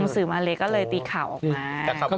สื่อมาเลก็เลยตีข่าวออกมา